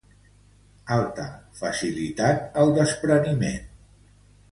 Alta facilitat al despreniment.